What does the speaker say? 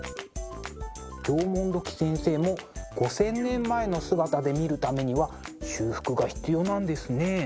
縄文土器先生も５，０００年前の姿で見るためには修復が必要なんですね。